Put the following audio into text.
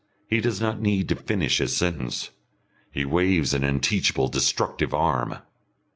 He does not need to finish his sentence, he waves an unteachable destructive arm.